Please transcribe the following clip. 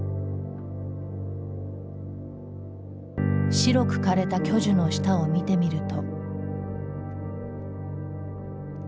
白く枯れた巨樹の下を見てみると。